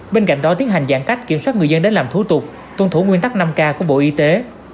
bên cạnh đó tiến hành giãn cách kiểm soát người dân đến làm thủ tục tuân thủ nguyên tắc năm k của bộ y tế